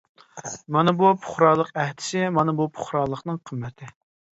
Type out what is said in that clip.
مانا بۇ پۇقرالىق ئەھدىسى مانا بۇ پۇقرالىقنىڭ قىممىتى.